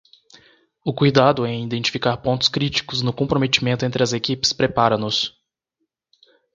O cuidado em identificar pontos críticos no comprometimento entre as equipes prepara-nos